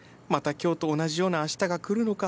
今日と同じようなあしたが来るのか。